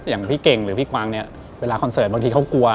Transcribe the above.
อย่างพี่เก่งหรือพี่กวางเนี่ยเวลาคอนเสิร์ตบางทีเขากลัว